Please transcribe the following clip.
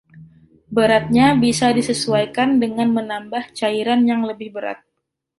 Beratnya bisa disesuaikan dengan menambah cairan yang lebih berat.